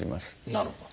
なるほど。